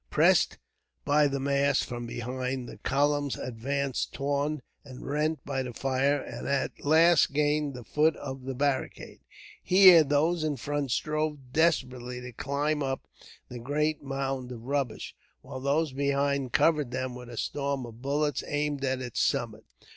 Pressed by the mass from behind, the columns advanced, torn and rent by the fire, and at last gained the foot of the barricade. Here, those in front strove desperately to climb up the great mound of rubbish, while those behind covered them with a storm of bullets aimed at its summit.